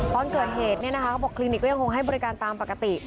ตอนเกิดเหตุเขาบอกคลินิกก็ยังคงให้บริการตามปกติ